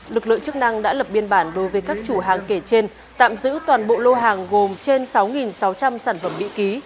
lực lượng chức năng đã lập biên bản đối với các chủ hàng kể trên tạm giữ toàn bộ lô hàng gồm trên sáu sáu trăm linh sản phẩm mỹ ký